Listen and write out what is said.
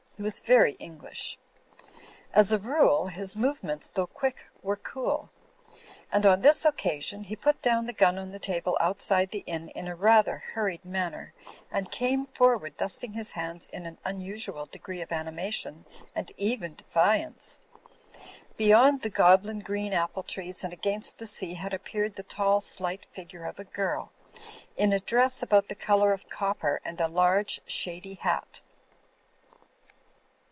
He was very English. As a rule his movements, though quick, were cool ; but on this occasion he put down the gun on the table outside the inn in a rather hurried manner and came forward dusting his liands in an unusual degree of animation and even defiance. Beyond the goblin j[reen apple trees and against the sea had appeared the tall, slight figure of a girl, in a dress about the cplour of copper and a large shady hat.